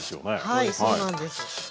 はいそうなんです。